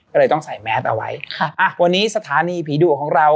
ก็เลยต้องใส่แมสเอาไว้ค่ะอ่ะวันนี้สถานีผีดุของเรา